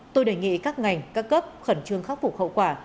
tôi đề nghị các ngành các cấp khẩn trương khắc phục hậu quả